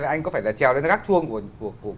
anh có phải trèo lên gác chuông của miếu này không